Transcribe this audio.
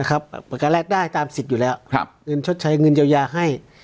แรกด้ายตามติดอยู่แล้วเงินชดใช้เงินยาวยาให้